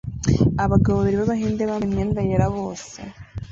Abagabo babiri b'Abahinde bambaye imyenda yera bose